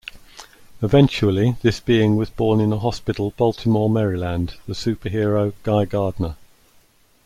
Eventually this being was born in a hospital Baltimore, Maryland, the superhero Guy Gardner.